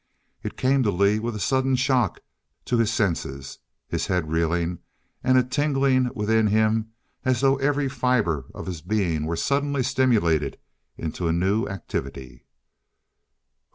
It came to Lee with a sudden shock to his senses, his head reeling, and a tingling within him as though every fibre of his being were suddenly stimulated into a new activity.